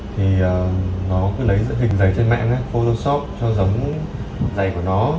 thì nó cứ lấy dựa hình giày trên mạng photoshop cho giống giày của nó